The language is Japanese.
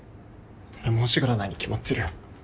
誰も欲しがらないに決まってるよ。